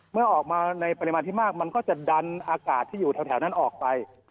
เมื่อออกมาในปริมาณที่มากมันก็จะดันอากาศที่อยู่แถวนั้นออกไป